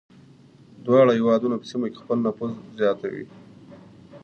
دواړه هېوادونه په سیمه کې خپل نفوذ زیاتوي.